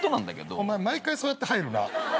お前毎回そうやって入るな。